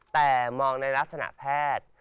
แต่มองในลักษณะแพทย์